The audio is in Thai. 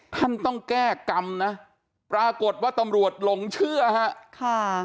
ท่านต้องแก้กรรมนะปรากฏว่าตำรวจหลงเชื่อฮะค่ะ